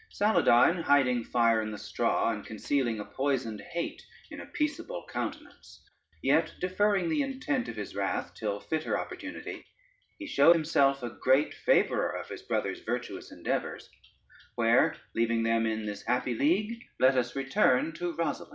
Saladyne, hiding fire in the straw, and concealing a poisoned hate in a peaceable countenance, yet deferring the intent of his wrath till fitter opportunity, he showed himself a great favorer of his brother's virtuous endeavors: where leaving them in this happy league, let us return to Rosalynde.